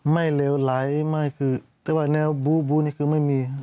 ไม่เลวไหลไม่คือแต่ว่าแนวบู๊บู๊นี่คือไม่มี